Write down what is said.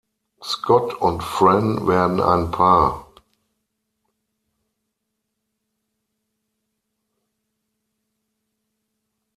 Scott und Fran werden ein Paar.